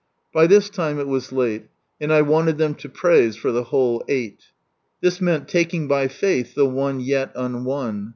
" By this time it was late, and I wanted them to praise for the whole eight This meant taking by faith the one yet unwon.